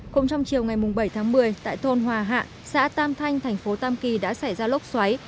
cũng trong chiều ngày bảy một mươi tại thôn hòa hạ xã tam thanh tp tam kỳ đã xảy ra lốc xoáy